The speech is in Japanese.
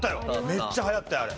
めっちゃ流行ったあれ。